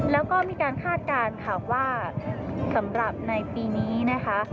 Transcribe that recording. แล้วก็มีการคาดการณ์ค่ะว่าสำหรับในปีนี้นะคะ